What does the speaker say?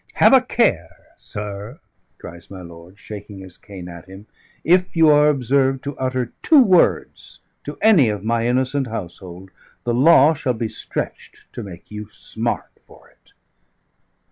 Have a care, sir!" cries my lord, shaking his cane at him: "if you are observed to utter two words to any of my innocent household, the law shall be stretched to make you smart for it."